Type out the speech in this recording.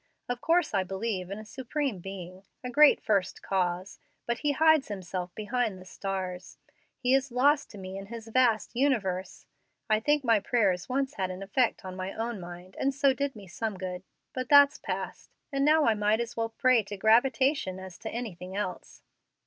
Of course I believe in a Supreme Being a great First Cause; but He hides Himself behind the stars; He is lost to me in His vast universe. I think my prayers once had an effect on my own mind, and so did me some good. But that's past, and now I might as well pray to gravitation as to anything else."